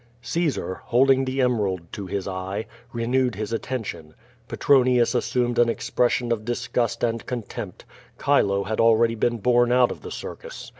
Cfpsar, holding the emerald to his eye, renewed his atten tion. Petronius assumed an expression of disgust and con tempt. Chilo had already been borne out of the circus.